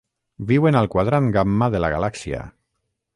Viuen al Quadrant Gamma de la galàxia.